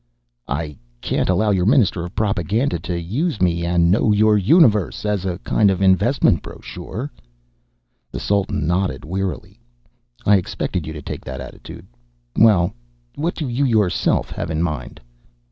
"I can't allow your Minister of Propaganda to use me and Know Your Universe! as a kind of investment brochure." The Sultan nodded wearily. "I expected you to take that attitude.... Well what do you yourself have in mind?"